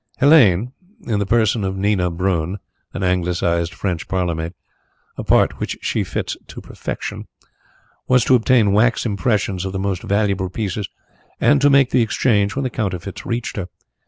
Helene, in the person of Nina Brun, an Anglicised French parlourmaid a part which she fills to perfection was to obtain wax impressions of the most valuable pieces and to make the exchange when the counterfeits reached her.